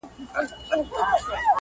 چې نن سبا رواج دي